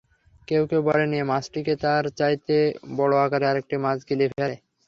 কেউ কেউ বলেন, এ মাছটিকে তার চাইতে বড় আকারের আরেকটি মাছ গিলে ফেলে।